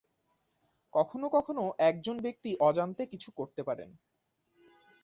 কখনো কখনো একজন ব্যক্তি অজান্তে কিছু করতে পারেন।